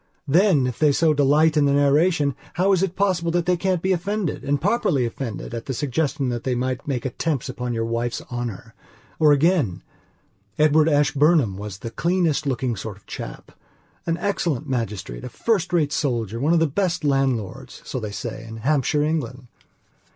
Then, if they so delight in the narration, how is it possible that they can be offendedand properly offendedat the suggestion that they might make attempts upon your wife's honour? Or again: Edward Ashburnham was the cleanest looking sort of chap; an excellent magistrate, a first rate soldier, one of the best landlords, so they said, in Hampshire, England.